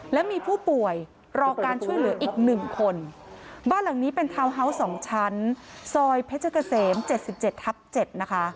และมีผู้ป่วยรอการช่วยเหลืออีกหนึ่งคนบ้านหลังนี้เป็นทาวน์ฮาวส์๒ชั้นซอยเพชรเกษม๗๗ทับ๗นะคะ